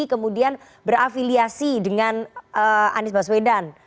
kemudian berafiliasi dengan anies baswedan